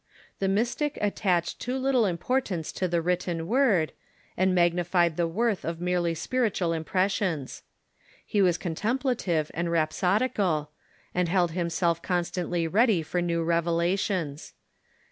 The Mystic at tached too little importance to the written Word, and magni fied the worth of merely spiritual impressions. He was con templative and rhapsodical, and held himself constantly ready for new revelations.